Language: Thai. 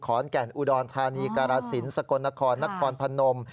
แก่นอุดรธานีการสินสกลนครนครพนม